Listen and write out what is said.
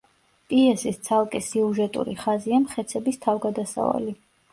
პიესის ცალკე სიუჟეტური ხაზია მხეცების თავგადასავალი.